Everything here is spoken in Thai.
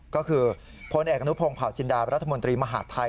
ก็คือพลเอกอนุพงศ์เผาจินดารัฐมนตรีมหาดไทย